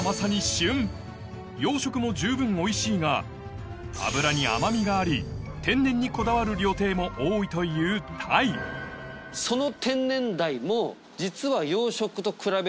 養殖も十分おいしいが脂に甘みがあり天然にこだわる料亭も多いというタイその。